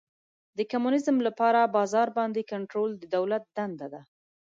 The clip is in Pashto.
د کمونیزم لپاره د بازار باندې کنټرول د دولت دنده ده.